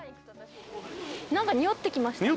何か匂ってきましたね。